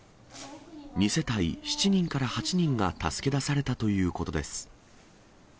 ２世帯７人から８人が助け出されたということです。